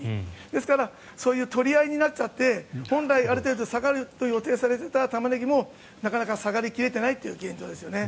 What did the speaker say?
ですから取り合いになっちゃって本来ある程度下がると予定されていたタマネギもなかなか下がり切れていない現状ですよね。